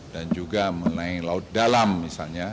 dan juga menaik laut dalam misalnya